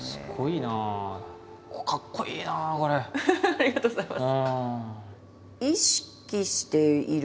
ありがとうございます。